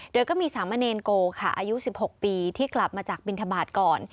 โดยก็มีสามเณรโกค่ะอายุ๑๖ปีที่กลับมาจากบินทบาทก่อน